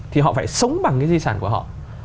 thì họ phải sống bằng cái di sản của họ